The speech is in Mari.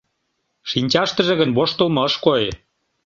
Шинчаштыже гын воштылмо ыш кой.